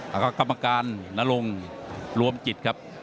แล้วก็กรรมการนรงรวมจิตครับ